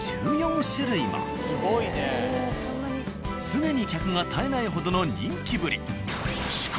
常に客が絶えないほどの人気ぶり。